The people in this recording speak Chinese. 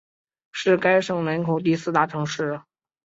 是该省人口第四大城市。